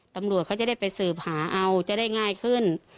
ตำรวจเขาจะได้ไปสืบหาเอาจะได้ง่ายขึ้น